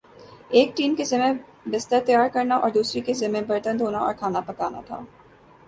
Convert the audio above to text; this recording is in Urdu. ایک ٹیم کے ذمہ بستر تیار کرنا اور دوسری کے ذمہ برتن دھونا اور کھانا پکانا تھا ۔